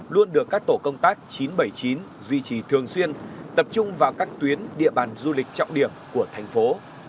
luôn được các tổ công tác chín trăm bảy mươi chín duy trì thường xuyên tập trung vào các tuyến địa bàn du lịch trọng điểm của thành phố